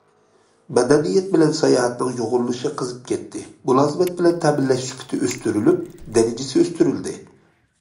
مەدەنىيەت بىلەن ساياھەتنىڭ يۇغۇرۇلۇشى قىزىپ كەتتى، مۇلازىمەت بىلەن تەمىنلەش سۈپىتى ئۆستۈرۈلۈپ دەرىجىسى ئۆستۈرۈلدى.